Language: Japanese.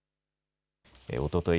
おととい